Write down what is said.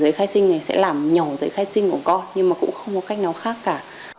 giấy khai sinh này sẽ làm nhỏ giấy khai sinh của con nhưng mà cũng không có cách nào khác cả